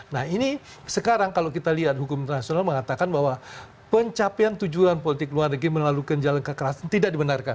nah ini sekarang kalau kita lihat hukum internasional mengatakan bahwa pencapaian tujuan politik luar negeri melalui jalan kekerasan tidak dibenarkan